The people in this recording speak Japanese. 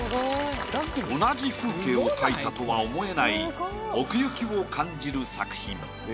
同じ風景を描いたとは思えない奥行きを感じる作品。